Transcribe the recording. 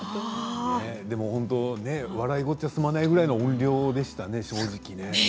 でも本当に笑い事じゃ済まないくらいの音量でしたね、正直ね。